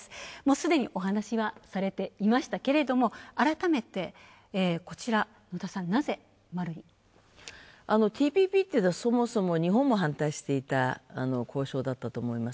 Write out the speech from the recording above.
すでにお話はされていましたけれども改めて、野田さん、なぜ○？ＴＰＰってそもそも日本も反対していた交渉だったと思います。